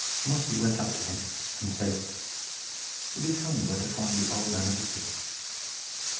Mossy went up to him and said, "Will you tell me where to find the Old Man of the Sea?"